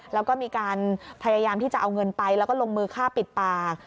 แล้วก็มีการพยายามที่จะเอาเงินไปแล้วก็ลงมือฆ่าปิดปาก